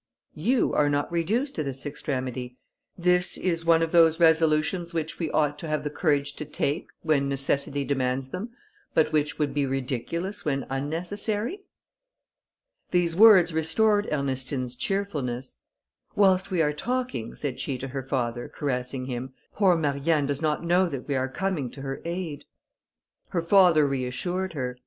"You are not reduced to this extremity: this is one of those resolutions which we ought to have the courage to take, when necessity demands them, but which would be ridiculous when unnecessary?" These words restored Ernestine's cheerfulness. "Whilst we are talking," said she to her father, caressing him, "poor Marianne does not know that we are coming to her aid." Her father reassured her.